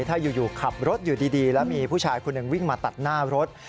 ถ้าอยู่ขับรถอยู่ดีแล้วมีผู้ชายคนหนึ่งวิ่งมาตัดหน้ารถ